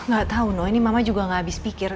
gak tau no ini mama juga gak abis pikir